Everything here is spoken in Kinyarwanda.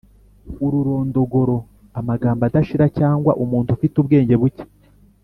ururondogoro : amagambo adashira cyangwa umuntu ufite ubwenge buke